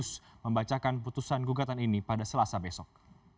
terus membacakan keputusan gugatan ini pada selasa besok